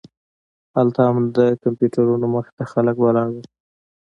هلته هم د کمپیوټرونو مخې ته خلک ولاړ وو.